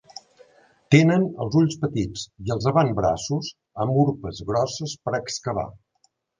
Tenen els ulls petits i els avantbraços, amb urpes grosses per a excavar.